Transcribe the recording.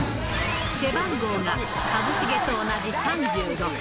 背番号が一茂と同じ３６。